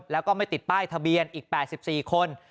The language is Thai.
แล้วก็ไม่ติดป้ายทะเบียนอีก๘๔คน